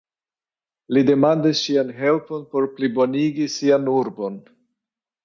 Li demandis ŝian helpon por plibonigi sian urbon.